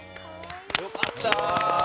良かった。